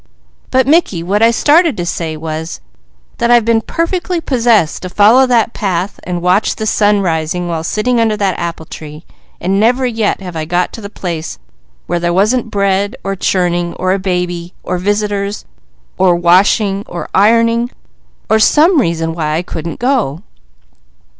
But Mickey, what I started to say was, that I've been perfectly possessed to follow that path and watch the sun rise while sitting under that apple tree; and never yet have I got to the place where there wasn't bread, or churning, or a baby, or visitors, or a wash, or ironing, or some reason why I couldn't go.